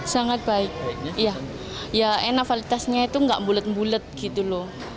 sangat baik enak validitasnya itu enggak bulet bulet gitu loh